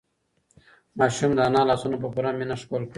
ماشوم د انا لاسونه په پوره مینه ښکل کړل.